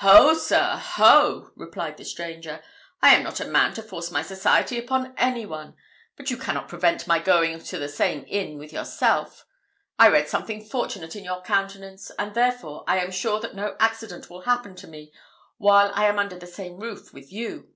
"Ho, sir ho!" replied the stranger, "I am not a man to force my society upon any one. But you cannot prevent my going to the same inn with yourself. I read something fortunate in your countenance, and therefore I am sure that no accident will happen to me while I am under the same roof with you.